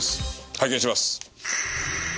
拝見します。